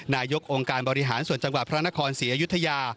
นายกองค์การบริหารส่วนจังหวัดพระนครศรีอยุธยา